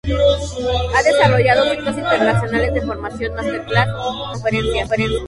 Ha desarrollado ciclos internacionales de formación, master class, muestras y conferencias.